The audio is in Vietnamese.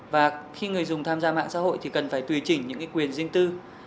và khi người dùng tham gia mạng xã hội thì cần phải tùy chỉnh những quyền riêng tư